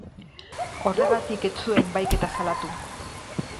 Horregatik ez zuen bahiketa salatu.